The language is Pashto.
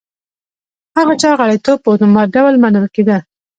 هغه چا غړیتوب په اتومات ډول منل کېده